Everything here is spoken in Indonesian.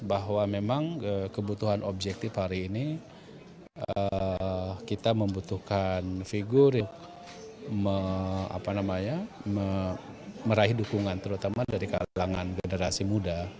bahwa memang kebutuhan objektif hari ini kita membutuhkan figur yang meraih dukungan terutama dari kalangan generasi muda